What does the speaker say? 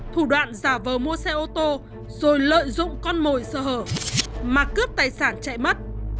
thủ đoạn giả vờ mua xe ô tô rồi lợi dụng con mồi sơ hở mà cướp tài sản chạy mất